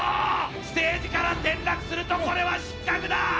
ステージから転落するとこれは失格だ！